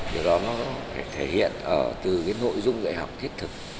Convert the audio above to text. điều đó nó thể hiện từ cái nội dung dạy học thiết thực